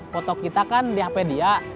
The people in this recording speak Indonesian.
foto kita kan di hp dia